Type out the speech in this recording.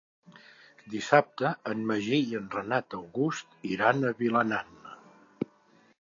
Dissabte en Magí i en Renat August iran a Vilanant.